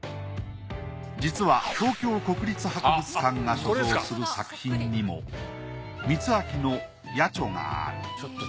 実は東京国立博物館が所蔵する作品にも光明の『野猪』がある。